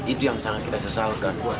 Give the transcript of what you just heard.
itu yang sangat kita sesalkan